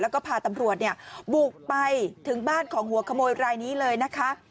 แล้วก็พาตำรวจบุกไปถึงบ้านของหัวขโมยรายนี้เลยนะคะ